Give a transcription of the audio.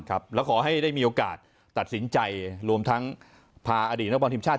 แล้วขอให้ได้มีโอกาสตัดสินใจรวมทั้งพาอดีตนักบอลทีมชาติ